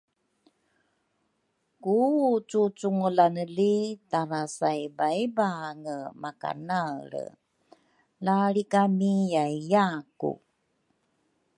ku cucungulaneni tarasaibaibange makanaelre, la lrikamiyaiyaaku.